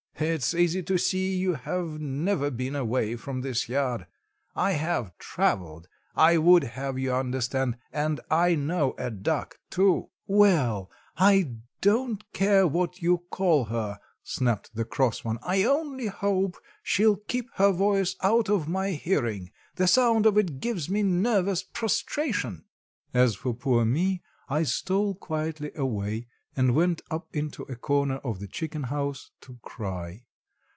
"It's easy to see you have never been away from this yard. I have traveled, I would have you understand, and I know a duck, too." "Well, I don't care what you call her," snapped the cross one. "I only hope she'll keep her voice out of my hearing. The sound of it gives me nervous prostration." As for poor me,—I stole quietly away, and went up into a corner of the chicken house to cry.